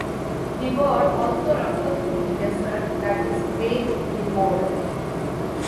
The word also refers to the dessert that is baked in the mold.